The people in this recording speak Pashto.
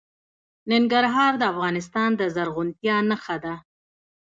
ننګرهار د افغانستان د زرغونتیا نښه ده.